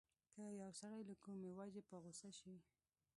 که يو سړی له کومې وجې په غوسه شي.